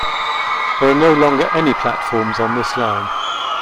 There are no longer any platforms on this line.